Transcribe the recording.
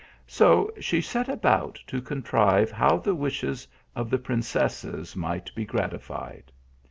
So she set about to contrive how the wishes of the princesses might be gratified.